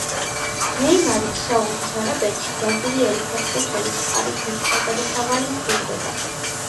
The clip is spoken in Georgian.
ნეიმარიც საუდის არაბეთში ბრაზილიელი ფეხბურთელის პარიზული თავგდასავალი სრულდება.